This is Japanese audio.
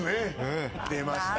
出ました。